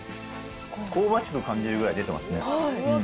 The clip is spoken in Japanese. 香ばしく感じるぐらい出てますね。